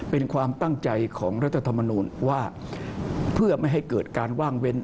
เป็นความตั้งใจของรัฐธรรมนูญว่าเพื่อไม่ให้เกิดการว่างเว้น